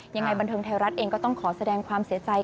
ยังไงบันเทิงไทยรัฐเองก็ต้องขอแสดงความเสียใจ